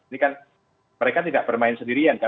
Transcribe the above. ini kan mereka tidak bermain sendirian kan